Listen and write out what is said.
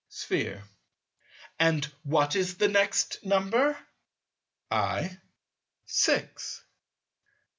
Sphere. And what is the next number? I. Six.